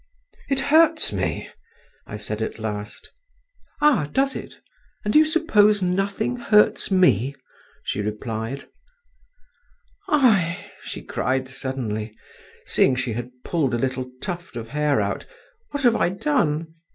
"It hurts me," I said at last. "Ah! does it? And do you suppose nothing hurts me?" she replied. "Ai!" she cried suddenly, seeing she had pulled a little tuft of hair out. "What have I done?